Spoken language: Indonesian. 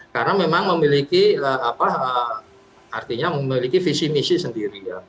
karena memang memiliki artinya memiliki visi misi sendiri